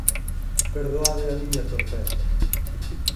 Perdoade a miña torpeza.